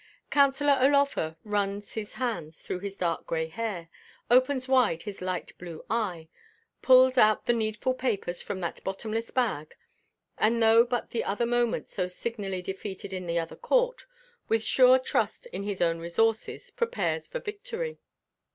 Counsellor O'Laugher runs his hands through his dark grey hair, opens wide his light blue eye, pulls out the needful papers from that bottomless bag, and though but the other moment so signally defeated in the other court, with sure trust in his own resources prepares for victory.